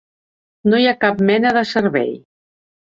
No hi ha cap mena de servei.